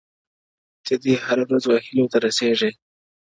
• ته دې هره ورځ و هيلو ته رسېږې،